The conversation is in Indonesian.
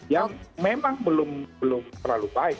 yang memang belum terlalu baik